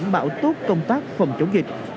bảo tốt công tác phòng chống dịch